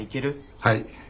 はい。